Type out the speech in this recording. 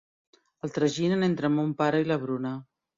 El traginen entre mon pare i la Bruna.